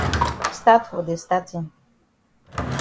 Stat for de statin.